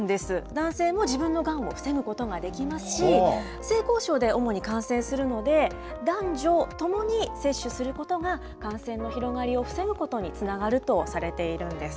男性も自分のがんを防ぐことができますし、性交渉で主に感染するので、男女ともに接種することが、感染の広がりを防ぐことにつながるとされているんです。